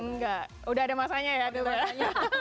nggak sudah ada masanya ya